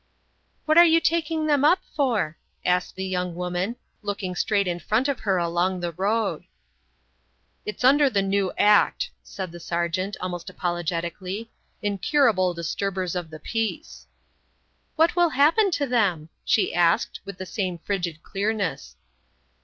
"What are you taking them up for?" asked the young woman, looking straight in front of her along the road. "It's under the new act," said the sergeant, almost apologetically. "Incurable disturbers of the peace." "What will happen to them?" she asked, with the same frigid clearness.